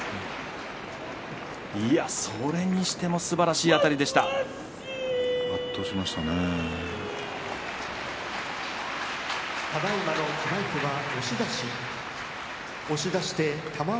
いや、それにしてもすばらしいあたりでした、玉鷲。